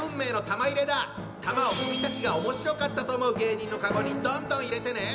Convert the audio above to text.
玉を君たちがおもしろかったと思う芸人のカゴにどんどん入れてね！